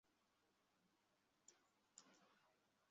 আমরা এখন তার এয়ারপড ট্যাপ করছি।